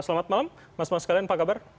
selamat malam mas mas kalian apa kabar